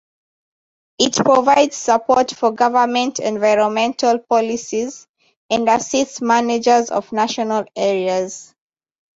It provides support for government environmental policies and assists managers of national areas.